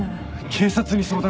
警察に相談